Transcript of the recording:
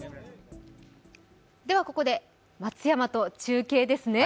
ここで松山と中継ですね。